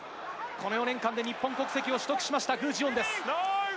この４年間で日本国籍を取得しました具智元です。